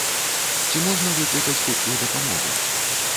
Ці можна выклікаць хуткую дапамогу?